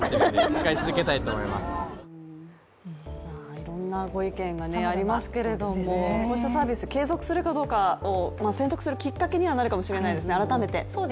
いろんなご意見がありますけれどもこうしたサービス、継続するかどうかを選択するきっかけになるかもしれませんね。